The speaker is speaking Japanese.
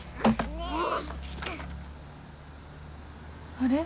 あれ？